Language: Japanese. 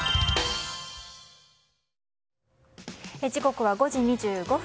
時刻は５時２５分。